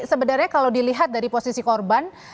sebenarnya kalau dilihat dari posisi korban